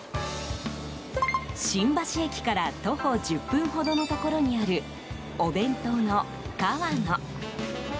新橋駅から徒歩１０分ほどのところにあるお弁当のかわの。